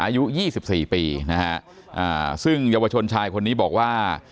อายุยี่สิบสี่ปีนะฮะอ่าซึ่งเยาวชนชายคนนี้บอกว่า